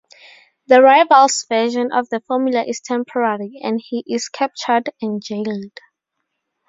The Rival's version of the formula is temporary, and he is captured and jailed.